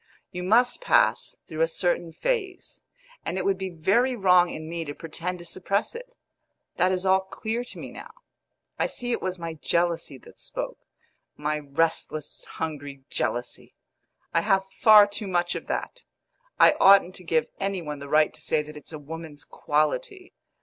You must pass through a certain phase, and it would be very wrong in me to pretend to suppress it. That is all clear to me now; I see it was my jealousy that spoke my restless, hungry jealousy. I have far too much of that; I oughtn't to give any one the right to say that it's a woman's quality.